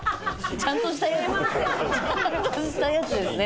ちゃんとしたやつですね。